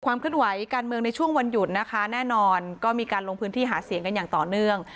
ขึ้นไหวการเมืองในช่วงวันหยุดนะคะแน่นอนก็มีการลงพื้นที่หาเสียงกันอย่างต่อเนื่อง